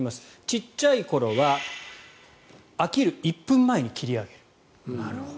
小さい頃は飽きる１分前に切り上げる。